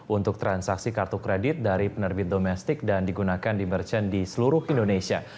untuk transaksi kartu kredit dari penerbit domestik dan digunakan di merchant di seluruh indonesia